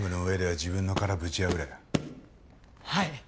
はい！